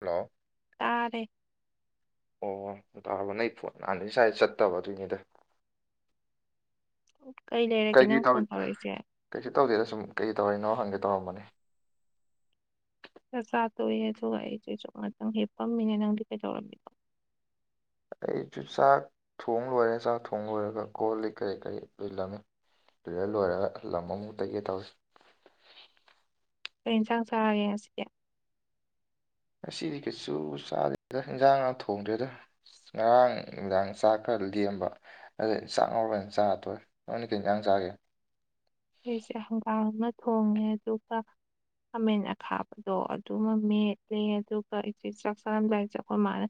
Hello. ꯇꯥꯔꯦ꯫ ꯑꯣ ꯇꯥꯔꯕ ꯅ ꯑꯩ ꯐꯣꯟ ꯉꯁꯥꯏꯗꯩ ꯆꯠꯇꯕ ꯑꯗꯨꯏꯅꯤꯗ ꯀꯩ ꯂꯩꯔꯦ꯫ ꯀꯩꯀꯩ ꯇꯧꯔꯤ ꯀꯩꯁꯨ ꯇꯧꯗꯦꯗ ꯁꯨꯝ ꯀꯩꯀꯩ ꯇꯧꯔꯤꯅꯣ ꯍꯪꯒꯦ ꯇꯧꯔꯝꯕꯅꯤ꯫ ꯆꯥꯛ ꯆꯥ ꯇꯣꯛꯏ ꯑꯗꯨꯒ ꯑꯩꯁꯨꯦ ꯑꯁꯨꯨꯝ ꯉꯇꯪ ꯍꯦꯞꯄꯝꯃꯤꯅꯦ ꯅꯪꯗꯤ ꯀꯩꯗꯧꯔꯝꯃꯤꯅ ꯑꯩꯁꯨ ꯆꯥꯛ ꯊꯣꯡ ꯂꯣꯏꯔꯦ ꯆꯥꯛ ꯊꯣꯡ ꯂꯣꯏꯔꯒ ꯀꯣꯜ ꯂꯤꯛ ꯀꯩ ꯀꯩ ꯂꯣꯏꯁꯤꯟꯂꯝꯃꯤ꯫ ꯇꯨꯏꯂꯦꯠ ꯂꯣꯏꯔꯒ ꯂꯝ ꯑꯃꯨꯛ ꯇꯩꯒꯦ ꯇꯧꯔꯤ꯫ ꯀꯩꯟꯖꯥꯡ ꯆꯥꯔꯦ ꯉꯁꯤꯗꯤ꯫ ꯉꯁꯤꯗꯤ ꯀꯩꯁꯨ ꯆꯥꯗꯦꯗ ꯏꯟꯁꯥꯡ ꯒꯥꯡ ꯊꯣꯡꯗ꯭ꯔꯦꯗ ꯉꯔꯥꯡ ꯅꯨꯡꯗꯥꯡ ꯆꯥꯛ ꯈꯔ ꯂꯦꯝꯕ꯫ ꯑꯩꯗꯤ ꯆꯥꯛ ꯉꯧꯔꯒ ꯑꯣꯏꯅ ꯆꯥꯔ ꯇꯣꯛꯑꯦ ꯅꯪꯗꯤ ꯀꯩ ꯏꯟꯁꯥꯡ ꯆꯥꯔꯒꯦ꯫ ꯑꯩꯁꯦ ꯍꯪꯒꯥꯝ ꯑꯃ ꯊꯣꯡꯉꯦ ꯑꯗꯨꯒ꯫ ꯈꯥꯃꯦꯟ ꯑꯈꯥꯕꯗꯣ ꯑꯗꯨꯃ ꯃꯦꯠꯂꯦ ꯑꯗꯨꯒ ꯑꯩꯁꯦ ꯆꯥꯛ ꯆꯥꯔꯝꯗꯥꯏꯖꯦ ꯑꯩꯈꯣꯏ ꯃꯥꯅ꯫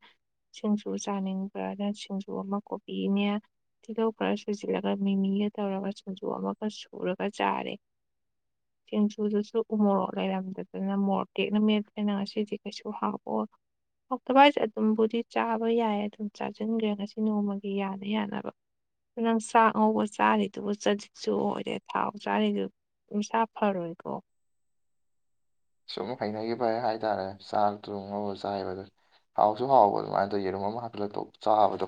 ꯁꯤꯡꯖꯨ ꯆꯥꯅꯤꯡꯕ꯭ꯔꯅ ꯁꯤꯡꯖꯨ ꯑꯃ ꯀꯣꯕꯤꯅꯦ꯫ ꯇꯤꯜꯍꯧ ꯈꯔ ꯁꯣꯏꯖꯤꯟꯂꯒ ꯃꯤ ꯃꯤꯒ ꯇꯧꯔꯒ ꯁꯤꯡꯖꯨ ꯑꯃꯒ ꯁꯨꯔꯒ ꯆꯥꯔꯦ꯫ [inaudible] ꯆꯦꯡꯖꯨꯗꯨꯁꯨ ꯎꯃꯣꯔꯣꯛ ꯂꯩꯔꯝꯗꯗꯅ ꯃꯣꯔꯣꯛ ꯇꯦꯛꯅ ꯃꯦꯠꯠꯇꯅ ꯉꯁꯤꯗꯤ ꯀꯩꯁꯨ ꯍꯥꯞꯑꯣ ꯍꯇꯚ ꯍꯥꯏꯁꯦ ꯑꯗꯨꯝꯕꯨꯗꯤ ꯆꯥꯕ ꯌꯥꯏ ꯑꯗꯨꯝ ꯆꯥꯁꯤꯟꯈ꯭ꯔꯦ ꯉꯁꯤ ꯅꯣꯡꯃꯒꯤ ꯌꯥꯅ ꯌꯥꯅꯕ ꯅꯪ ꯆꯥꯛ ꯉꯧꯕ ꯆꯥꯔꯤꯗꯨꯕꯨ ꯆꯖꯤꯠꯁꯨ ꯑꯣꯏꯔꯦ ꯊꯥꯎ ꯆꯥꯔꯤꯗꯨ ꯅꯁꯥ ꯐꯔꯣꯏꯀꯣ꯫ ꯁꯨꯝ ꯍꯩꯅꯈꯤꯕ ꯍꯥꯏꯇꯥꯔꯦ ꯆꯥꯛ ꯊꯣꯡꯉꯕ ꯆꯥꯏꯕꯗ ꯍꯥꯎꯁꯨ ꯍꯥꯎꯕ ꯑꯗꯨꯃꯥꯏꯅ ꯇꯧ ꯌꯦꯔꯨꯝ ꯑꯃ ꯍꯥꯞꯐꯤꯂꯛꯇꯧ ꯆꯥꯕꯗꯣ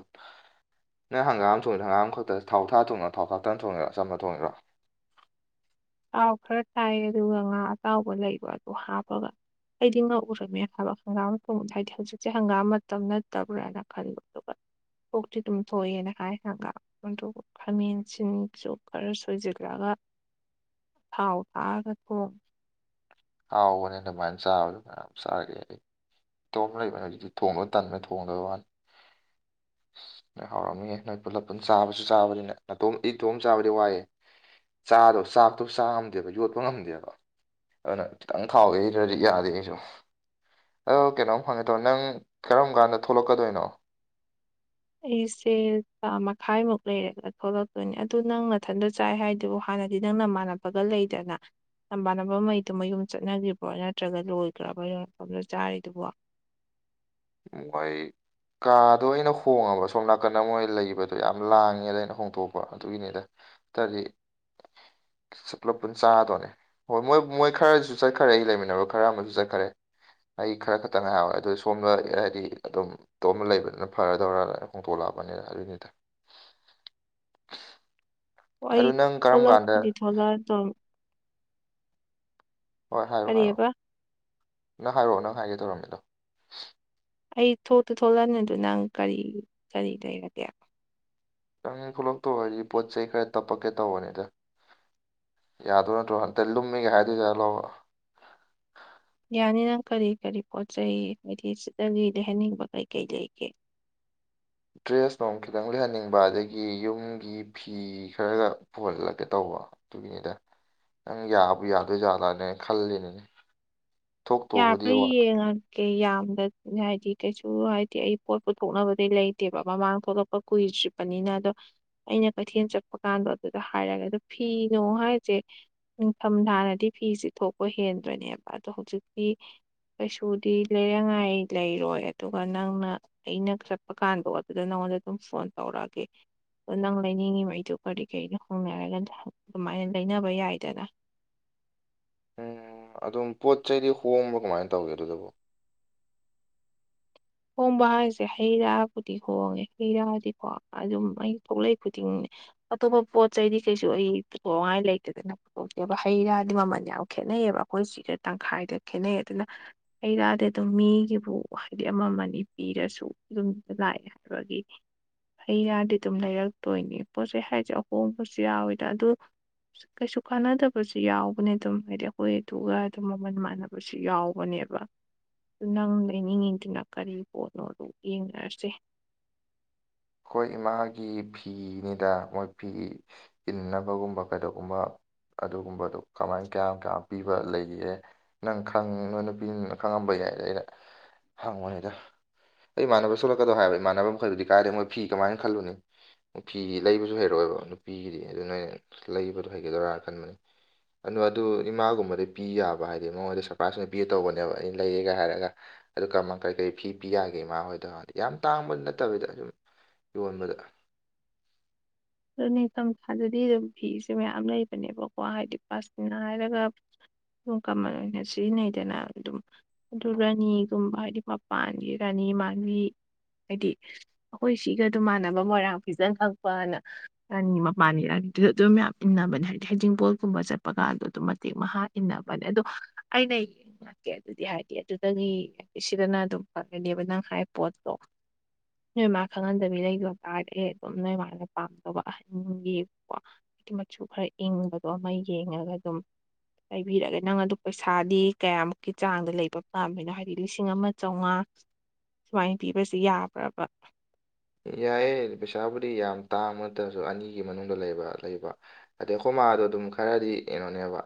ꯅꯪ ꯍꯪꯒꯥꯝꯣꯡꯉꯦ ꯍꯪꯒꯥꯝ ꯈꯛꯇ ꯊꯥꯎ ꯊꯥ ꯊꯣꯡꯅꯔꯥ ꯊꯥꯎ ꯈꯥꯛꯇ ꯊꯣꯡꯉꯦꯔꯥꯝꯅ ꯊꯣꯡꯤꯔꯥ ꯇꯥꯎ ꯈꯔ ꯇꯥꯏ ꯑꯗꯨꯒ ꯉꯥ ꯑꯆꯥꯎꯕ ꯂꯩꯕ ꯑꯗꯣ ꯍꯥꯞꯄꯒ ꯑꯩꯗꯤ ꯉꯧ ꯎꯔꯝꯃꯦ ꯍꯥꯏꯕ ꯍꯪꯒꯥꯝꯣꯡꯗ ꯍꯥꯏꯗꯤ ꯍꯧꯖꯤꯛꯁꯦ ꯍꯪꯒꯥꯝ ꯃꯇꯝ ꯅꯠꯇꯕ꯭ꯔꯥꯅ ꯈꯜꯂꯤꯕ ꯑꯗꯨꯒ ꯀꯣꯛꯇꯤ ꯑꯗꯨꯝ ꯊꯣꯛꯑꯦꯅ ꯍꯥꯏ ꯍꯪ ꯈꯥꯃꯦꯟꯁꯤꯟꯁꯨ ꯈꯔ ꯁꯣꯏꯁꯤꯜꯂꯒ ꯍꯥꯎ ꯇꯒꯣ ꯍꯥꯎꯕꯅꯦ ꯑꯗꯨꯃꯥꯏꯅ ꯆꯥꯕꯗꯣ ꯀꯩꯌꯥꯝ ꯆꯥꯒꯦ꯫ ꯏꯇꯣꯞ ꯑꯃ ꯂꯩꯕꯅꯦ ꯍꯧꯖꯤꯛ ꯊꯣꯡꯕ ꯇꯟꯃꯦ ꯊꯣꯡꯗꯕꯧ ꯋꯥꯅꯤ ꯅꯣꯏ ꯍꯥꯎꯔꯝꯃꯤꯌꯦꯦ ꯅꯣꯏ ꯄꯨꯂꯞ ꯄꯨꯟ ꯆꯥꯕꯁꯨ ꯆꯥꯕꯅꯤꯅꯦ ꯅꯥꯇꯣꯝ ꯏꯇꯣꯝ ꯆꯥꯕꯗꯤ ꯋꯥꯏꯑꯦ ꯆꯥꯗꯣ ꯆꯥꯛꯇꯣ ꯆꯥꯉꯝꯗꯦꯕ ꯌꯣꯠꯄ ꯉꯝꯗꯦꯕ ꯑꯗꯨꯅ ꯈꯤꯇꯪ ꯊꯥꯎꯋꯦ ꯑꯩꯗ꯭ꯔꯗꯤ ꯌꯥꯗꯦ ꯑꯩꯁꯨ ꯑꯗꯣ ꯀꯩꯅꯣꯝ ꯍꯪꯒꯦ ꯇꯧꯕꯅꯦ ꯅꯪ ꯀꯔꯝ ꯀꯥꯟꯗ ꯊꯣꯛꯂꯛꯀꯗꯣꯏꯅꯣ꯫ ꯑꯩꯁꯦ ꯊꯥ ꯃꯈꯥꯏꯃꯨꯛ ꯂꯩꯔꯒ ꯊꯣꯛꯂꯛꯇꯣꯏꯅꯦ ꯑꯗꯨ ꯅꯪ ꯃꯊꯟꯗ꯫ ꯆꯥꯏ ꯍꯥꯏꯗꯨꯕꯨ ꯍꯥꯟꯅꯗꯤ ꯅꯪ ꯅꯃꯥꯟꯅꯄꯒ ꯂꯩꯗꯅ ꯂꯝꯝꯕꯥꯅꯕ ꯃꯩꯗꯨ ꯃꯌꯨꯝ ꯆꯠꯅ꯭ꯔꯤꯕ꯭ꯔꯣ ꯅꯠꯇ꯭ꯔꯒ ꯂꯣꯏꯈ꯭ꯔꯕ ꯃꯐꯝꯗ ꯆꯥꯔꯤꯗꯨꯕꯣ [unintelligible] ꯀꯥꯗꯣ ꯑꯩꯅ ꯍꯣꯡꯉꯕ ꯁꯣꯝ ꯅꯥꯀꯟꯗ ꯃꯣꯏ ꯂꯩꯕꯗꯣ ꯌꯥꯝ ꯂꯥꯡꯉꯦꯗ ꯑꯩꯅ ꯍꯣꯡꯗꯣꯛꯄ ꯑꯗꯨꯒꯤꯅꯤꯗ ꯇꯔꯤ ꯁꯄꯂ ꯄꯨꯟ ꯆꯍ ꯇꯣꯅꯦ ꯍꯣꯏ ꯃꯣꯏ ꯃꯣꯏ ꯈꯔꯁꯨ ꯆꯠꯈꯔꯦ ꯑꯩ ꯂꯩꯃꯤꯟꯅꯕ ꯈꯔ ꯑꯃꯁꯨ ꯆꯠꯈꯔꯦ꯫ ꯑꯩ ꯈꯔ ꯈꯛꯇꯪ ꯉ ꯍꯥꯏꯔꯋꯦ ꯑꯗꯨꯗꯣ ꯁꯣꯝꯗ ꯍ ꯍꯥꯏꯗꯤ ꯑꯗꯨꯝ ꯇꯣꯝꯕ ꯂꯩꯕꯅꯤꯅ ꯐꯔꯗꯧꯔ ꯍꯣꯡꯇꯣꯛꯂꯛꯑꯕꯅꯤꯅ ꯑꯗꯨꯅꯤꯗ ꯀꯏ ꯑꯗꯨ ꯅꯪ ꯀꯔꯝ ꯀꯂꯞ ꯀꯥꯟꯗ ꯈꯨ ꯊꯙꯂꯥ ꯗꯔ ꯍꯣꯏ ꯍꯥꯏꯔꯣꯑꯣ ꯍꯥꯏꯔꯛꯑꯣ ꯅꯪ ꯍꯥꯏꯔꯛꯑꯣ ꯅꯪ ꯍꯥꯏꯒꯦ ꯇꯧꯔꯝꯃꯤꯗꯣ ꯑꯩ ꯊꯣꯛꯇꯤ ꯊꯣꯛꯂꯛꯑꯅꯤ ꯑꯗꯣ ꯅꯪ ꯀꯔꯤ ꯀꯔꯤ ꯂꯩꯔꯒꯦ꯫ ꯆꯪꯉ ꯊꯣꯛꯂꯛꯇꯣ ꯍꯥꯏꯗꯤ ꯄꯣꯠ ꯆꯩ ꯈꯔ ꯇꯞꯄꯛꯀꯦ ꯇꯧꯕꯅꯤꯗ ꯌꯥꯗꯣꯏ ꯅꯠꯇ꯭ꯔꯣ ꯍꯟꯇꯛ ꯂꯨꯝꯃꯤꯒꯦ ꯍꯥꯏꯗꯣꯏꯖꯥ ꯂꯥꯛꯑꯣ ꯌꯥꯅꯤ ꯅꯪ ꯀꯔꯤ ꯀꯔꯤ ꯄꯣꯠ ꯆꯩꯩ ꯍꯥꯏꯗꯤ ꯁꯤꯗꯒꯤ ꯂꯩꯍꯟꯅꯤꯡꯕ ꯀꯩ ꯀꯩ ꯂꯩꯒꯦ꯫ ꯗ꯭ꯔꯦꯁ ꯅꯨꯡ ꯈꯤꯇꯪ ꯂꯩꯍꯟꯅꯤꯡꯕ ꯑꯗꯒꯤ ꯌꯨꯝꯒꯤ ꯐꯤ ꯈꯔꯒ ꯄꯨꯍꯜꯂꯒꯦ ꯇꯧꯕ ꯑꯗꯨꯒꯤꯅꯤꯗ ꯅꯪ ꯌꯥꯕꯨ ꯌꯥꯗꯣꯏꯖꯥꯂꯅꯦ ꯈꯜꯂꯤꯅꯤꯅꯦ ꯌꯥ ꯊꯣꯛꯇꯧꯕꯨꯗꯤ ꯐ ꯋꯥ ꯌꯦ ꯀꯩ ꯌꯥꯝꯗ ꯍꯥꯏꯗꯤ ꯀꯩꯁꯨ ꯍꯥꯏꯗꯤ ꯑꯩ ꯄꯣꯠ ꯄꯨꯊꯣꯛꯅꯕꯗꯩ ꯂꯩꯇꯦꯕ ꯃꯃꯥꯡ ꯊꯣꯛꯂꯛꯄ ꯀꯨꯏꯗ꯭ꯔꯤ ꯆꯠꯄꯅꯤꯅ ꯑꯗꯣ ꯑꯩꯅ ꯀꯩꯊꯦꯜ ꯆꯠꯄ ꯀꯥꯟꯗꯣ ꯑꯗꯨꯗ ꯍꯥꯏꯔꯛꯒꯦ ꯑꯗꯣ ꯐꯤꯅꯣ ꯍꯥꯏꯁꯦ꯫ ꯅꯤꯡꯊꯝ ꯊꯥꯅꯗꯤ ꯐꯤꯁꯦ ꯊꯣꯛꯄ ꯍꯦꯟꯗꯣꯏꯅꯦꯕ ꯑꯗꯣ ꯍꯧꯖꯤꯛꯇꯤ꯫ ꯀꯩꯁꯨꯗꯤ ꯂꯩꯔꯉꯥꯏ ꯂꯩꯔꯣꯏ ꯑꯗꯨꯒ ꯅꯪꯅ ꯑꯩꯅ ꯆꯠꯄ ꯀꯥꯟꯗꯣ ꯑꯗꯨꯗ ꯅꯪꯉꯣꯟꯗ ꯑꯗꯨꯝ ꯐꯣꯟ ꯇꯧꯔꯛꯑꯒꯦ꯫ ꯑꯗ ꯅꯪ ꯂꯩꯅꯤꯡꯉꯤꯉꯩꯗꯨ ꯀꯔꯤ ꯀꯔꯤꯅꯣ ꯍꯣꯡꯒꯦ ꯍꯥꯏꯔꯒꯗꯤ ꯑꯗꯨꯃꯥꯏꯅ ꯂꯩꯅꯕ ꯌꯥꯏꯗꯅ ꯎꯝ ꯑꯗꯨꯝ ꯄꯣꯠ ꯆꯩꯗꯤ ꯍꯣꯡꯕ꯭ꯔ ꯀꯃꯥꯏꯅ ꯇꯧꯒꯦ ꯑꯗꯨꯗꯕꯨ ꯍꯣꯡꯕ ꯍꯥꯏꯁꯦ ꯍꯩ ꯔꯥꯕꯨꯗꯤ ꯍꯣꯡꯉꯦ ꯍꯩ ꯔꯥꯗꯤꯀꯣ ꯑꯗꯨꯝ ꯑꯩ ꯊꯣꯛꯂꯛ ꯈꯨꯗꯤꯡꯅꯦ ꯑꯇꯣꯞꯄ ꯄꯣꯠ ꯆꯩꯗꯤ ꯀꯩꯁꯨ ꯑꯩ ꯄꯨꯊꯣꯛꯉꯥꯏ ꯂꯩꯇꯦꯗꯅ ꯄꯨꯊꯣꯛꯇꯦꯕ ꯍꯩ ꯔꯥꯗꯤ ꯃꯃꯜ ꯌꯥꯝ ꯈꯦꯠꯅꯩꯕ ꯑꯩꯈꯣꯏ ꯁꯤꯒ ꯇꯪꯈꯥꯏꯗ ꯈꯦꯠꯅꯩ ꯑꯗꯨꯅ ꯑꯩꯔꯗꯤ ꯑꯗꯨꯝ ꯃꯤꯒꯤꯕꯨ ꯍꯥꯏꯗꯤ꯫ ꯄꯤꯔꯁꯨ ꯌꯨꯝꯗ ꯂꯥꯛꯑꯦ ꯍꯥꯏꯕꯒꯤ ꯍꯩꯅꯔꯗꯤ ꯑꯗꯨꯝ ꯂꯩꯔꯛꯇꯣꯏꯅꯤ ꯄꯣꯠ ꯆꯩ ꯍꯥꯏꯁꯦ ꯑꯍꯣꯡꯕꯁꯨ ꯌꯥꯎꯋꯤꯗ ꯑꯗꯨ ꯀꯩꯁꯨ ꯀꯥꯟꯅꯗꯕꯁꯨ ꯌꯥꯎꯕꯅꯦ ꯑꯗꯨꯝ ꯍꯥꯏꯗꯤ ꯑꯩꯈꯣꯏ ꯑꯇꯒ ꯑꯗꯨꯝ ꯃꯃꯜ ꯃꯥꯟꯅꯕ ꯌꯥꯎꯕꯅꯦꯕ ꯅꯪ ꯂꯩꯅꯤꯡ ꯑꯗꯨꯅ ꯀꯔꯤ ꯄꯣꯠꯅꯣ ꯑꯗꯨ ꯌꯦꯡꯅꯔꯁꯦ꯫ ꯑꯩꯈꯣꯏ ꯏꯃꯥꯒꯤ ꯐꯤꯅꯤꯗ ꯃꯣꯏ ꯐꯤ ꯏꯟꯅꯕꯒꯨꯝꯕ ꯀꯩꯗꯧꯕꯒꯨꯝꯕ ꯑꯗꯨꯒꯨꯝꯕꯗꯣ ꯀꯃꯥꯏ ꯀꯌꯥꯝ ꯀꯌꯥꯝ ꯄꯤꯕ ꯂꯩꯒꯦ ꯅꯪ ꯈꯪ ꯅꯣ ꯅꯨꯄꯤꯅ ꯈꯪꯉꯝꯕ ꯌꯥꯏꯗ ꯑꯩꯅ ꯍꯪꯉꯣꯅꯤꯗ ꯑꯩ ꯏꯃꯥꯟꯅꯕ ꯁꯣꯂꯛꯀꯗꯧ ꯍꯥꯏꯕ ꯏꯃꯥꯟꯅꯕ ꯃꯈꯩꯕꯨꯗꯤ ꯀꯥꯏꯗꯦ ꯃꯣꯏ ꯐꯤ ꯀꯃꯥꯏꯅ ꯈꯜꯂꯨꯅꯤ ꯅꯨꯄꯤꯒꯤ ꯂꯩꯕꯁꯨ ꯍꯩꯔꯛꯑꯣꯏꯕ ꯅꯨꯄꯤꯒꯤꯗꯤ ꯑꯗꯨꯅ ꯑꯣꯏꯩꯅ ꯂꯩꯕꯗꯣ ꯍꯩꯒꯗꯣꯏꯔꯥꯅ ꯈꯟꯕꯅꯤ ꯑꯗꯣ ꯑꯗꯨ ꯏꯃꯥꯒꯨꯝꯕꯗꯤ ꯄꯤ ꯌꯥꯕ ꯍꯥꯏꯗꯤ ꯃꯉꯣꯟꯗ ꯁꯔꯄ꯭ꯔꯥꯏꯖ ꯑꯣꯏꯅ ꯄꯤ ꯇꯧꯕꯅꯦꯕ ꯑꯩꯅ ꯂꯩꯌꯦꯒ ꯍꯥꯏꯔꯒ ꯑꯗꯨ ꯀ ꯀꯔꯤ ꯀꯔꯤ ꯐꯤ ꯄꯤ ꯌꯥꯒꯦ ꯏꯃꯥ ꯍꯣꯏꯗ ꯌꯥꯝ ꯇꯥꯡꯕ ꯅꯠꯇꯕꯤꯗ ꯑꯗꯨꯝ꯫ ꯌꯣꯟꯕꯗ ꯑꯗꯨ ꯅꯤꯡꯊꯝꯊꯥꯗꯗꯤ ꯑꯗꯨꯝ ꯐꯤꯁꯨꯦ ꯃꯌꯥꯝ ꯂꯩꯕꯅꯦꯕꯀꯣ ꯍꯥꯏꯗꯤ ꯄꯥꯁꯅꯥ ꯍꯥꯏꯔꯒ ꯑꯗꯨꯝ ꯀꯃꯟ ꯑꯣꯏꯅ ꯁꯤꯖꯤꯟꯅꯩꯗꯅ ꯑꯗꯨꯝ ꯑꯗꯨ ꯔꯥꯅꯤꯒꯨꯝꯕ ꯍꯥꯏꯗꯤ ꯃꯄꯥꯟꯒꯤ ꯔꯥꯅꯤ ꯃꯥꯥꯟ ꯍꯥꯏꯗꯤ ꯑꯩꯈꯣꯏ ꯁꯤꯒ ꯑꯗꯨꯃꯥꯟꯅꯕ ꯃꯣꯏꯔꯥꯡ ꯐꯤꯖꯟ ꯈꯛꯄꯅ ꯑꯅꯤ ꯃꯄꯥꯟꯅꯤ ꯔꯥꯅꯤꯗꯨꯗ ꯑꯗꯨꯝ ꯃ ꯏꯟꯅꯕꯅꯦ ꯍꯥꯏꯗꯤ ꯍꯩꯖꯤꯡꯕꯣꯜꯒꯨꯝꯕ ꯆꯠꯄ ꯀꯥꯟꯗꯣ ꯑꯗꯨꯝ ꯃꯇꯦꯛ ꯃꯍꯥ꯫ ꯏꯟꯅꯕꯅꯦ ꯑꯗꯣ ꯑꯩꯅ ꯀꯦ ꯑꯗꯨꯗꯤ ꯍꯥꯏꯗꯤ ꯑꯗꯨꯗꯒꯤ ꯁꯤꯗꯅ ꯑꯗꯨꯝ ꯐꯪꯒꯅꯦꯕ ꯅꯪ ꯍꯥꯏ ꯄꯣꯠꯇꯣ ꯅꯣꯏ ꯃꯥ ꯈꯪꯍꯟꯗꯕꯤ ꯂꯩ ꯄꯥꯔꯠ ꯑꯦ ꯑꯗꯨꯝ ꯅꯣꯏ ꯃꯥꯜꯂ ꯄꯥꯝꯗꯕ ꯑꯍꯟꯒꯤ ꯀꯣ ꯑꯗꯨ ꯃꯆꯨ ꯈꯔ ꯏꯪꯕꯗꯣ ꯑꯃ ꯌꯦꯡꯉꯒ ꯑꯗꯨꯝ ꯂꯩꯕꯤꯔꯒꯦ ꯅꯪ ꯑꯗꯨ ꯄꯩꯁꯥꯗꯤ ꯀꯌꯥꯃꯨꯛꯀꯤ ꯆꯥꯡꯗ ꯂꯩꯕ ꯄꯥꯝꯃꯤꯅꯣ ꯍꯥꯏꯗꯤ ꯂꯤꯁꯤꯡ ꯑꯃ ꯆꯥꯝꯃꯉꯥ ꯁꯨꯃꯥꯏꯅ ꯄꯤꯕꯁꯤ ꯌꯥꯕ꯭ꯔꯕ ꯌꯥꯏꯑꯦ ꯄꯩꯁꯥꯕꯨꯗꯤ ꯌꯥꯝ ꯇꯥꯡꯕ ꯅꯠꯇ꯭ꯔꯁꯨ ꯑꯅꯤꯒꯤ ꯃꯅꯨꯡꯗ ꯂꯩꯕ ꯂꯩꯕ꯫ ꯑꯗꯩ ꯍꯣꯃꯥꯗꯣ ꯑꯗꯨꯝ ꯈꯔꯗꯤ ꯀꯩꯅꯣꯅꯦꯕ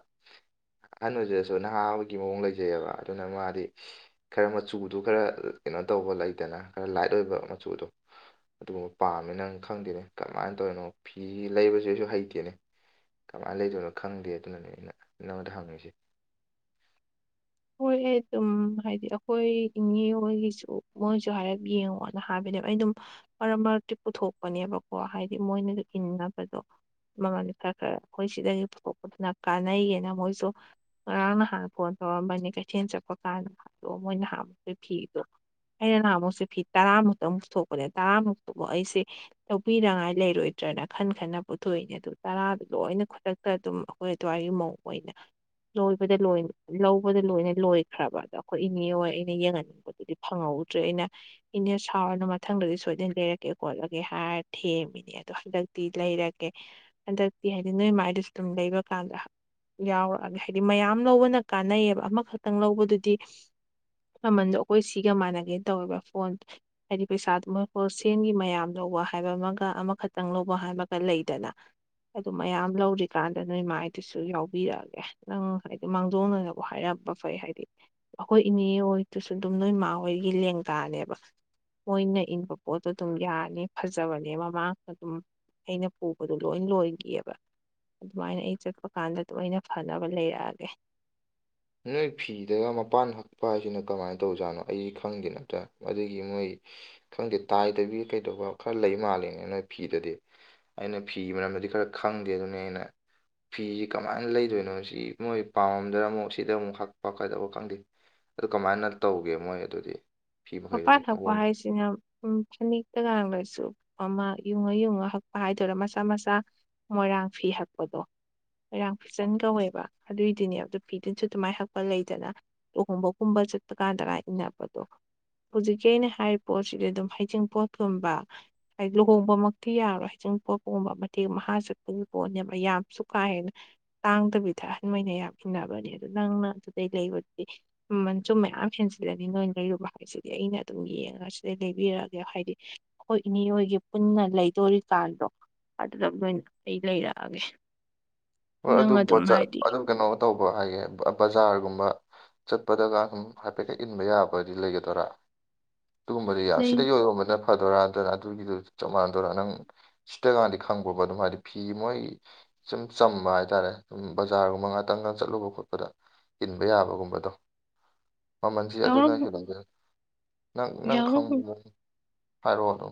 ꯑꯍꯟ ꯑꯣꯏꯖꯤꯗꯁꯨ ꯅꯍꯥ ꯑꯃꯒꯤꯒꯤ ꯃꯑꯣꯡ ꯂꯩꯖꯩꯑꯕ ꯑꯗꯨꯅ ꯃꯥꯗꯤ ꯈꯔ ꯃꯆꯨꯗꯣ ꯈꯔ ꯀꯩꯅꯣ ꯇꯧꯕ ꯂꯩꯗꯅ ꯈꯔ ꯂꯥꯏꯠ ꯑꯣꯏꯕ ꯃꯆꯨꯗꯣ꯫ ꯑꯗꯨꯒꯨꯝꯕ ꯄꯥꯝꯃꯦꯅ ꯅꯪ ꯈꯪꯗꯦꯅꯦ ꯀꯔꯃꯥꯏꯅ ꯇꯧꯔꯤꯅꯣ ꯐꯤ ꯂꯩꯕꯁꯤꯁꯨ ꯍꯩꯇꯦꯅꯦ꯫ ꯀꯃꯥꯏꯅ ꯂꯩꯗꯣꯏꯅꯣ ꯈꯪꯗꯦ ꯑꯗꯨꯅꯅꯦ ꯑꯩꯅ ꯅꯉꯣꯟꯗ ꯍꯪꯉꯤꯁꯦ꯫ ꯍꯣꯏ ꯑꯩ ꯑꯗꯨꯝ ꯍꯥꯏꯗꯤ ꯑꯩꯈꯣꯏ ꯏꯅꯦ ꯍꯣꯏꯒꯤꯁꯨ ꯃꯣꯏꯁꯨ ꯍꯥꯏꯔꯞ ꯌꯦꯡꯉꯣꯅ ꯍꯥꯏꯕꯅꯦꯕ ꯑꯩ ꯑꯗꯨꯝ ꯃꯔꯛ ꯃꯔꯛꯇꯤ ꯄꯨꯊꯣꯛꯄꯅꯦꯕꯀꯣ ꯍꯥꯏꯗꯤ ꯃꯣꯏꯅꯁꯨ ꯏꯟꯅꯕꯗꯣ ꯃꯃꯜꯗꯤ ꯈꯔ ꯈꯔ ꯑꯩꯈꯣꯏ ꯁꯤꯗꯒꯤ ꯄꯨꯊꯣꯛꯄꯗꯨꯅ ꯀꯥꯟꯅꯩꯌꯦꯅ ꯃꯣꯏꯁꯨ ꯉꯔꯥꯡ ꯅꯍꯥꯟꯅ ꯐꯣꯟ ꯇꯧꯔꯝꯕꯅꯦ ꯀꯩꯊꯦꯜ ꯆꯠꯄ ꯀꯥꯟꯗ ꯑꯗꯣ ꯃꯣꯏꯅ ꯍꯕꯗꯨꯒꯤ ꯐꯤꯗꯣ ꯑꯩꯅ ꯅꯍꯥꯟꯃꯨꯛꯁꯦ ꯐꯤ ꯇꯔꯥꯃꯨꯛꯇꯪ ꯄꯨꯊꯣꯛꯄꯅꯦ ꯇꯔꯥꯃꯨꯛ ꯄꯨꯕ ꯑꯩꯁꯦ꯫ ꯂꯧꯕꯤꯅꯉꯥꯏ ꯂꯩꯔꯣꯏꯗ꯭ꯔꯅ ꯈꯟ ꯈꯟꯅ ꯄꯨꯊꯣꯛꯏꯅꯦ ꯑꯗꯨ ꯇꯔꯥꯗꯨꯣ ꯂꯣꯏꯅ ꯈꯨ ꯑꯗꯨꯝ ꯑꯩꯈꯣꯏ ꯑꯗꯨ꯭ꯋꯥꯏꯒꯤ ꯃꯧ ꯑꯣꯏꯅ ꯂꯣꯏꯗꯣꯏ ꯂꯗ ꯂꯣꯏꯅ ꯂꯣꯏꯈ꯭ꯔꯕ ꯑꯗꯣ ꯑꯩꯈꯣꯏ ꯏꯅꯦ ꯍ ꯑꯩꯅ ꯌꯦꯡꯍꯟꯅꯤꯡꯕꯗꯨꯗꯤ ꯐꯪꯍꯧꯗ꯭ꯔꯦ ꯑꯩꯅ ꯏꯅꯦ ꯁꯥꯎꯔꯅ ꯃꯊꯪꯗꯗꯤ ꯁꯣꯏꯗꯅ ꯂꯩꯔꯛꯀꯦ ꯈꯣꯠꯂꯒꯦ ꯍꯥꯏꯔ ꯊꯦꯝꯃꯤꯅꯦ ꯑꯗꯣ ꯍꯟꯗꯛꯇꯤ ꯂꯩꯔꯒꯦ ꯍꯟꯗꯛꯇꯤ ꯍꯥꯏꯗꯤ ꯅꯣꯏ ꯃꯥꯏꯗꯁꯨ ꯑꯗꯨꯝ ꯂꯩꯕ ꯀꯥꯟꯗ ꯌꯥꯎꯔꯛꯑꯒꯦ ꯍꯥꯏꯗꯤ ꯃꯌꯥꯝ ꯂꯧꯕꯅ ꯀꯥꯟꯅꯩꯌꯦꯕ ꯑꯃꯈꯛꯇꯪ ꯂꯧꯕꯗꯨꯗꯤ ꯃꯃꯟꯗꯣ ꯑꯩꯈꯣꯏ ꯁꯤꯒ ꯃꯥꯟꯅꯒꯦ ꯇꯧꯋꯦꯕ ꯐꯣꯟ꯫ ꯍꯥꯏꯗꯤ ꯄꯩꯁꯥꯗꯨ ꯃꯣꯏ ꯄꯣꯁꯦꯟꯒꯤ ꯃꯌꯥꯝ ꯂꯧꯕ ꯍꯥꯏꯕ ꯑꯃꯒ ꯑꯃꯈꯛꯇꯪ ꯂꯧꯕ ꯍꯥꯏ ꯑꯃꯒ ꯂꯩꯗꯅ꯫ ꯑꯗꯨ ꯃꯌꯥꯝ ꯂꯧꯔꯤꯀꯥꯟꯗ ꯅꯣꯏ ꯃꯥꯏꯗꯨꯁꯨ ꯌꯥꯎꯕꯤꯔꯛꯑꯒꯦ ꯅꯪ ꯍꯥꯏꯗꯤ ꯃꯥꯡꯖꯧꯅꯅꯕꯕꯨ ꯍꯥꯏꯔꯝꯕ ꯐꯩ ꯍꯥꯏꯗꯤ ꯑꯩꯈꯣꯏ ꯏꯅꯦ ꯍꯣꯏꯗꯨꯁꯨ ꯑꯗꯨꯝ ꯅꯣꯏ ꯏꯃꯥ ꯍꯣꯏꯒꯤ ꯂꯦꯡꯗꯥꯅꯦꯕ ꯃꯣꯏꯅ ꯏꯟꯕ ꯄꯣꯠꯇꯣ ꯑꯗꯨꯝ ꯌꯥꯅꯤ ꯐꯖꯕꯅꯦ ꯃꯃꯥꯡꯗ ꯑꯗꯨꯝ ꯑꯩꯅ ꯄꯨꯕꯗꯣ ꯂꯣꯏ ꯂꯣꯏꯈꯤꯑꯕ ꯑꯗꯨꯃꯥꯏꯅ ꯑꯩ ꯆꯠꯄ ꯀꯥꯟꯗ ꯑꯩꯅ ꯐꯅꯕ ꯂꯩꯔꯛꯑꯒꯦ ꯅꯣꯏ ꯐꯤꯗꯒ ꯃꯄꯥꯟ ꯍꯛꯄ ꯍꯥꯏꯁꯤꯅ ꯀꯃꯥꯏꯅ ꯇꯧꯖꯥꯠꯅꯣ ꯑꯩꯁꯤ ꯈꯪꯗꯦ ꯅꯇ ꯑꯗꯨꯒꯤ ꯃꯣꯏ ꯈꯪꯗꯦ ꯇꯥꯏꯗꯕꯤ ꯀꯩꯗꯧꯕ ꯈꯔ ꯂꯩ ꯃꯥꯜꯂꯤꯉ ꯅꯣꯏ ꯐꯤꯗꯗꯤ ꯑꯩꯅ ꯐꯤ ꯃꯔꯝꯗꯗꯤ ꯈꯔ ꯈꯪꯗꯦ ꯑꯗꯨꯅꯤ ꯑꯩꯅ ꯐꯤꯁꯤ ꯀꯃꯥꯏꯅ ꯂꯩꯗꯣꯏꯅꯣ ꯁꯤ ꯃꯣꯏ ꯄꯥꯝꯃꯝꯗꯅ ꯑꯃꯨꯛ ꯁꯤ꯫ ꯁꯤꯗ ꯑꯃꯨꯛ ꯍꯛꯄ ꯀꯥꯏꯗꯧꯕ ꯈꯪꯗꯦ ꯑꯗꯨ ꯀꯃꯥꯏꯅ ꯇꯧꯒꯦ ꯃꯣꯏ ꯑꯗꯨꯗꯤ ꯐꯤ ꯃꯄꯥꯟ ꯃꯈꯩꯗꯨꯗꯤ ꯊꯛꯄ ꯃꯑꯣꯡ ꯍꯥꯏꯁꯤꯅ ꯎꯝ ꯐꯅꯦꯛꯇꯒ ꯂꯣꯏꯁꯨ꯫ ꯑꯃ ꯌꯨꯡꯉ ꯌꯨꯡꯉ ꯍꯛꯄ ꯍꯥꯏꯗꯣꯏꯔ ꯃꯆꯥ ꯃꯆꯥ ꯃꯣꯏꯔꯥꯡ ꯐꯤ ꯍꯛꯄꯗꯣ ꯃꯔꯥꯡ ꯐꯤꯖꯟ ꯀꯧꯋꯦꯕ ꯑꯗꯨꯏꯗꯨꯅꯦ ꯑꯗꯨꯗ ꯐꯤꯗꯨꯟꯁꯨ ꯑꯗꯨꯃꯥꯏꯅ ꯍꯛꯄ ꯂꯩꯗꯅ ꯂꯨꯍꯣꯡꯕꯒꯨꯝꯕ ꯆꯠꯄ ꯀꯥꯟꯗꯒ ꯏꯟꯅꯕꯗꯣ ꯍꯧꯖꯤꯛꯀꯤ ꯑꯩꯅ ꯍꯥꯏꯔꯤꯕ ꯄꯣꯠꯁꯤꯗꯤ ꯑꯗꯨꯝ ꯍꯩꯖꯤꯡ ꯄꯣꯠꯀꯨꯝꯕ ꯍꯥꯏꯗꯤ ꯂꯨꯍꯣꯡꯕꯃꯛꯇꯤ ꯌꯥꯔꯣꯏ ꯍꯖꯤꯡ ꯄꯣꯠꯄꯒꯨꯝꯕ ꯃꯇꯦꯛ ꯃꯍꯥ ꯆꯠꯄꯒꯤ ꯄꯣꯠꯅꯦꯕ ꯌꯥꯝꯁꯨ ꯀꯥꯍꯦꯅ ꯇꯥꯡꯗꯕꯤꯗ ꯑꯍꯟꯈꯩꯅ ꯌꯥꯝ ꯏꯟꯅꯕꯅꯦ ꯑꯗꯨ ꯅꯪꯅ ꯑꯗꯨꯗꯩ ꯂꯩꯕꯗꯨꯗꯤ ꯎ ꯃꯟꯆꯨꯝ ꯃꯌꯥꯝ ꯍꯦꯟꯁꯤꯜꯂꯅꯤ ꯅꯣꯏ ꯂꯩꯔꯨꯕ ꯁꯤꯗꯤ ꯑꯩꯅ ꯑꯗꯨꯝ ꯌꯦꯡꯉꯒ ꯁꯤꯗꯩ ꯂꯩꯕꯤꯔꯛꯑꯒꯦ ꯍꯥꯏꯗꯤ ꯑꯩꯈꯣꯏ ꯏꯅꯦ ꯍꯣꯏꯒꯤ ꯄꯨꯟꯅ ꯂꯩꯗꯣꯔꯤ ꯀꯥꯗꯣ ꯑꯗꯨꯗ ꯂꯣꯏꯅ ꯑꯩ ꯂꯩꯔꯛꯑꯒꯦ ꯍꯣꯏ ꯑꯗꯨ ꯅꯪ ꯑꯗꯨꯝ ꯍꯥꯏꯗꯤ ꯑꯗꯨ ꯀꯩꯅꯣ ꯇꯧꯕ ꯍꯥꯏꯒꯦ ꯕꯖꯥꯔꯒꯨꯝꯕ ꯆꯠꯄꯗꯒ ꯁꯨꯝ ꯍꯥꯏꯐꯦꯠꯀ ꯏꯟꯕ ꯌꯥꯕꯗꯤ ꯂꯩꯒꯗꯣꯏꯔꯥ ꯑꯗꯨꯒꯨꯝꯕꯗꯤ ꯌꯥꯝ ꯂꯩ ꯁꯤꯗ ꯌꯣꯜꯔꯣꯟꯕꯗꯅ ꯐꯗꯣꯏꯔ ꯅꯠꯇꯔꯥꯒꯅ ꯑꯗꯨꯒꯤꯗꯨ ꯆꯞ ꯃꯥꯟꯅꯗꯣꯏꯔꯥ ꯅꯪ ꯁꯤꯇꯀꯥꯟꯗꯤ ꯈꯪꯕꯣꯕ ꯑꯗꯨꯝ ꯍꯥꯏꯗꯤ ꯐꯤ ꯃꯣꯏ ꯆ꯫ ꯆꯝꯕ ꯍꯥꯏꯇꯥꯔꯦ ꯑꯗꯨꯝ ꯕꯖꯥꯔꯒꯨꯝꯕ ꯉꯥꯛꯇꯪꯒ ꯆꯠꯂꯨꯕ ꯈꯣꯠꯄꯗ ꯇꯤꯟꯕ ꯌꯥꯕꯒꯨꯝꯕꯗꯣ ꯃꯃꯜꯁꯤ ꯌꯥꯎꯔꯝ ꯑꯗꯨꯅ ꯍꯦꯜꯂꯝꯗꯣꯏꯔ ꯅꯪ ꯅꯪ ꯌꯥꯎꯔꯝ ꯈꯪ ꯍꯥꯏꯔꯛꯑꯣ ꯑꯗꯨ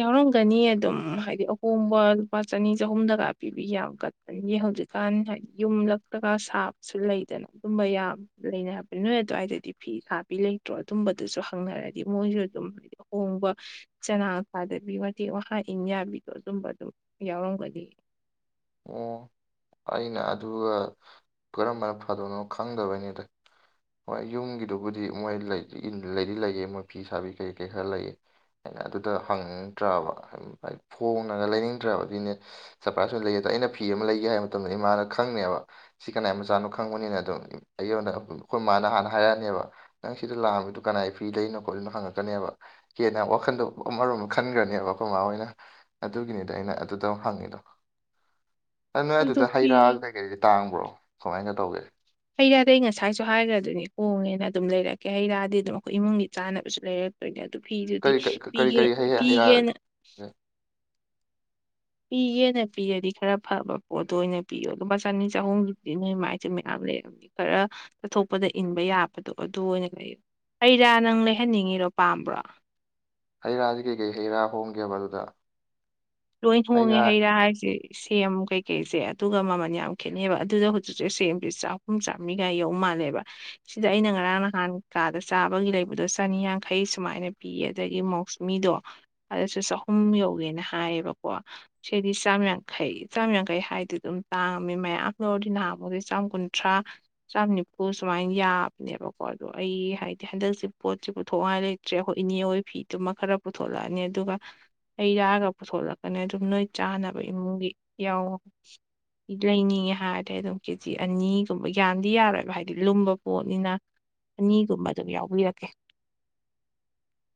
ꯌꯥꯎꯔꯝꯒꯅꯤ ꯑꯗꯨꯝ ꯍꯥꯏꯗꯤ ꯑꯍꯣꯡꯕ ꯂꯨꯄꯥ ꯆꯅꯤ ꯆꯍꯨꯝꯗꯒ ꯄꯤꯕꯤ ꯌꯥꯝ ꯀꯟ꯫ ꯑꯗꯒꯤ ꯍꯧꯖꯤꯛꯀꯥꯟ ꯍꯥꯏꯗꯤ ꯌꯨꯝꯂꯛꯂꯇꯒ ꯁꯥꯕꯁꯨ ꯂꯩꯗꯅ ꯑꯗꯨꯝꯕ ꯌꯥꯕ꯫ ꯂꯩꯅꯔꯕꯅꯤ ꯅꯣꯏ ꯑꯗꯨꯋꯥꯏꯗꯗꯤ ꯐꯤ ꯁꯥꯕꯤ ꯂꯩꯇ꯭ꯔꯣ ꯑꯗꯨꯝꯕꯗꯨꯁꯨ ꯍꯪꯅꯔꯗꯤ ꯃꯣꯏꯁꯨ ꯑꯗꯨꯝ ꯍꯍꯣꯡꯕ ꯆꯅꯥ ꯊꯥꯗꯕꯤ ꯋꯥꯇꯦꯛ ꯋꯥꯥꯍꯥ ꯏꯟ ꯌꯥꯕꯤꯗꯣ ꯑꯗꯨꯝꯕ ꯑꯗꯨꯝ ꯌꯥꯎꯔꯝꯒꯅꯤ ꯑꯣ ꯑꯩꯅ ꯑꯗꯨ ꯀꯔꯝꯕꯅ ꯐꯗꯣꯏꯅꯣ ꯈꯪꯗꯕꯩꯅꯤꯗ ꯍꯣꯏ ꯌꯨꯝꯒꯤꯗꯨꯕꯨꯗꯤ ꯃꯣꯏ ꯂꯩꯗꯤ ꯂꯩꯑ ꯃꯣꯏ ꯐꯤ ꯁꯥꯕꯤ ꯀꯩ ꯀꯩ ꯈꯔ ꯂꯩꯑ ꯑꯩꯅ ꯑꯗꯨꯗ ꯍꯪꯅꯤꯡꯗ꯭ꯔꯕ ꯐꯣꯡꯅꯒ ꯂꯩꯅꯤꯡꯗ꯭ꯔꯕ ꯑꯗꯨꯅꯦ ꯁꯔꯄ꯭ꯔꯥꯏꯖ ꯑꯣꯏꯅ ꯂꯩꯌꯦ ꯑꯗꯣ ꯑꯩꯅ ꯐꯤ ꯑꯃ ꯂꯩꯒꯦ ꯍꯥꯏꯕ ꯃꯇꯝꯗ ꯏꯃꯥꯅ ꯈꯪꯅꯦꯕ꯫ ꯁꯤ ꯀꯅꯥ ꯃꯆꯥꯅꯣ ꯈꯪꯕꯅꯤꯅ ꯑꯗꯨꯝ ꯑꯩꯉꯣꯟꯗ ꯑꯩꯈꯣꯏ ꯏꯃꯥꯅ ꯍꯥꯟꯅ ꯍꯥꯏꯔꯛꯑꯅꯦꯕ ꯅꯪ ꯁꯤꯗ ꯂꯥꯛꯑꯝꯃꯤꯗꯨꯣ ꯀꯅꯥꯏ ꯐ꯭ꯔꯤ ꯂꯩꯔꯤꯅꯣ ꯈꯣꯠꯂꯤꯅꯣ ꯍꯪꯉꯛꯀꯅꯦꯕ ꯀꯦꯅ ꯋꯥꯈꯟꯗꯣ ꯑꯃꯔꯣꯝ ꯈꯟꯈ꯭ꯔꯅꯦꯕ ꯑꯩꯈꯣꯏ ꯃꯥ ꯍꯣꯏꯅ꯫ ꯑꯗꯨꯒꯤꯅꯤꯗ ꯑꯩꯅ ꯑꯗꯨꯗꯨ ꯍꯪꯉꯤꯗꯣ ꯅꯣꯏ ꯑꯗꯨ ꯑꯗꯨꯗ ꯍꯩ ꯔꯥ ꯐꯤ ꯀꯩꯀꯩꯗꯤ ꯇꯥꯡꯕ꯭ꯔꯣ ꯀꯃꯥꯏꯅ ꯇꯧꯒꯦ꯫ ꯍꯩ ꯔꯥꯗ ꯑꯩ ꯉꯁꯥꯏꯁꯨ ꯍꯥꯏꯈ꯭ꯔꯗꯨꯅꯤ ꯍꯣꯡꯉꯦꯅ ꯑꯗꯨꯝ ꯂꯩꯔꯛꯀꯦ ꯍꯩ ꯔꯥꯗꯤ ꯑꯗꯨꯝ ꯑꯩꯈꯣꯏ ꯏꯃꯨꯡꯒꯤ ꯆꯥꯅꯕꯁꯨ ꯂꯩꯔꯛ ꯍꯣꯏꯅꯦ ꯑꯗꯨ ꯐꯤꯗꯨꯗꯤ ꯀꯔꯤ ꯀꯔꯤ ꯀꯔꯤ ꯄꯤꯒꯦ ꯀꯔꯤ ꯍꯩ ꯍꯩ ꯔꯥ ꯄꯤꯒꯦꯅ ꯄꯤꯒꯦꯅ ꯄꯤꯔꯗꯤ ꯈꯔ ꯐꯕ ꯄꯣꯠꯇꯣ ꯑꯣꯏꯅ ꯄꯤꯌꯣ ꯂꯨꯄꯥ ꯆꯅꯤ ꯆꯍꯨꯝꯒꯤꯛꯇꯤ ꯅꯣꯏ ꯃꯥꯏꯁꯨ ꯃꯌꯥꯝ ꯂꯩꯌꯦ ꯈꯔ ꯆꯠꯊꯣꯛꯄꯗ ꯏꯟꯕ ꯌꯥꯕꯗꯣ ꯑꯗꯨ ꯑꯣꯏꯅ ꯂꯩꯌꯨ ꯍꯩꯔ ꯅꯪ ꯂꯩꯍꯟꯅꯤꯡꯉꯤꯔꯣ ꯄꯥꯝꯕ꯭ꯔꯣ ꯍꯩ ꯔꯥꯗꯤ ꯀꯩꯀꯩ ꯍꯩ ꯔꯥ ꯍꯣꯡꯒꯦꯕ ꯑꯗꯨꯗ꯫ ꯂꯣꯏꯟ ꯍꯩ ꯍꯣꯡꯉꯦ ꯔꯥ ꯍꯩꯔꯥ ꯍꯥꯏꯁꯦ ꯁꯦꯝ ꯀꯩꯀꯩꯁꯦ ꯑꯗꯨꯒ ꯃꯃꯜ ꯌꯥꯝ ꯈꯦꯠꯅꯩꯕ ꯑꯗꯨꯗ ꯍꯧꯖꯤꯛꯁꯦ ꯁꯦꯝꯁꯦ ꯆꯥꯍꯨꯝ ꯆꯥ ꯃꯤꯒꯥꯏ ꯌꯧ ꯃꯥꯜꯂꯦꯕ ꯁꯤꯗ ꯑꯩꯅ ꯉꯔꯥꯡ ꯅꯍꯥꯟ ꯀꯥꯗ ꯆꯥꯕꯒꯤ ꯂꯩꯕꯗꯣ ꯆꯅꯤꯌꯥꯡꯈꯩ ꯁꯨꯃꯥꯏꯅ ꯄꯤꯌꯦ ꯑꯗꯒꯤ ꯃꯣꯛꯁ꯫ ꯃꯤꯗꯣ ꯑꯗꯨꯁꯨ ꯆꯍꯨꯝ ꯌꯧꯒꯦꯅ ꯍꯥꯏꯌꯦꯕꯀꯣ ꯁꯤꯗꯤ ꯆꯥꯝ ꯌꯥꯡꯈꯩ ꯆꯥꯝ ꯌꯥꯡꯈꯩ ꯍꯥꯏꯗꯤ ꯑꯗꯨꯝ ꯇꯥꯡꯉꯝꯃꯤ ꯃꯌꯥꯝ ꯂꯧꯔꯗꯤ ꯅꯍꯥꯃꯨꯛꯇꯤ ꯆꯥꯝ ꯀꯨꯟꯊ꯭ꯔꯥ꯫ ꯆꯥꯝ ꯅꯤꯐꯨ ꯁꯨꯃꯥꯏꯅ ꯌꯥꯕꯅꯦꯕꯀꯣ ꯑꯗꯣ ꯑꯩ ꯍꯥꯏꯗꯤ ꯍꯟꯗꯛꯁꯦ ꯄꯣꯠꯁꯤ ꯄꯨꯊꯣꯛꯉꯥꯏ ꯂꯩ꯫ ꯁꯦ ꯑꯩꯈꯣꯏ ꯏꯅꯦ ꯍꯣꯏ ꯐꯤꯗꯨꯃ ꯈꯔ ꯄꯨꯊꯣꯛꯂꯛꯑꯅꯤ ꯑꯗꯨꯒ ꯍꯩꯔꯒ ꯄꯨꯊꯣꯂꯛꯀꯅꯤ ꯑꯗꯨꯝ ꯅꯣꯏ ꯆꯥꯅꯕ ꯏꯃꯨꯡꯒꯤ ꯌꯥꯎꯋꯣ ꯂꯩꯅꯤꯡꯉꯦ ꯍꯥꯏꯔꯗꯤ ꯑꯗꯨꯝ ꯀꯦꯖꯤ ꯑꯅꯤꯒꯨꯝꯕ ꯌꯥꯝꯗꯤ ꯌꯥꯔꯔꯣꯏ ꯍꯥꯏꯗꯤ ꯂꯨꯝꯕ ꯄꯣꯠꯅꯤꯅ ꯑꯅꯤꯒꯨꯝꯕ ꯑꯗꯨꯝ ꯌꯥꯎꯕꯤꯔꯛꯀꯦ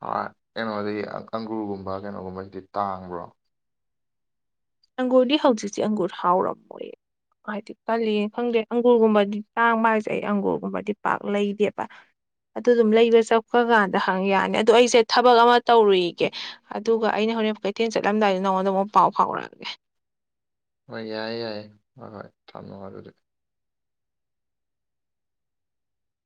ꯑ ꯀꯩꯅꯣꯗꯤ ꯑꯪꯒꯨꯔꯒꯨꯝꯕ ꯀꯩꯅꯣꯒꯨꯝꯕꯗꯤ ꯇꯥꯡꯕ꯭ꯔꯣ ꯑꯪꯒꯨꯔꯗꯤ ꯍꯧꯖꯤꯛꯁꯤ ꯑꯪꯒꯨꯔ ꯍꯥꯎꯔꯝꯃꯣꯏꯌꯦ ꯍꯥꯏꯗꯤ ꯀꯜꯂꯤꯅ ꯈꯪꯗꯦ ꯑꯪꯒꯨꯔꯒꯨꯝꯕꯗꯤ ꯇꯥꯡꯕ ꯍꯥꯏꯁꯦ ꯑꯩ ꯑꯪꯒꯨꯔꯒꯨꯝꯕꯗꯤ ꯄꯥꯛ ꯂꯩꯗꯦꯕ ꯑꯗꯨ ꯑꯗꯨꯝ ꯂꯩꯕ ꯆꯠꯄꯀꯥꯟꯗ ꯍꯪ ꯌꯥꯅꯤ ꯑꯗꯣ ꯑꯩꯁꯦ ꯊꯕꯛ ꯑꯃ ꯇꯧꯔꯨꯏꯒꯦ ꯑꯗꯨꯒ ꯑꯩꯅ ꯍꯣꯔꯦꯟ ꯀꯩꯊꯦꯜ ꯆꯠꯂꯝꯗꯥꯏꯗꯨꯗ ꯅꯉꯣꯟꯗ ꯑꯃꯨꯛ ꯄꯥꯎ ꯐꯥꯎꯔꯛꯑꯒꯦ ꯍꯣꯏ ꯌꯥꯏꯌꯦ ꯌꯥꯏ ꯍꯣꯏ ꯍꯣꯏ ꯊꯝꯃꯣ ꯑꯗꯨꯗꯤ